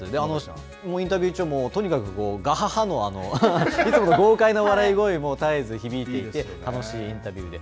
インタビュー中も、とにかく、がははの、いつもの豪快な笑い声も絶えず響いていて、楽しいインタビューで。